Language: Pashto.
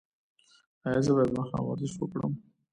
ایا زه باید ماښام ورزش وکړم؟